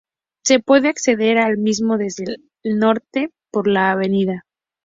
Se puede acceder al mismo desde el norte por la Av.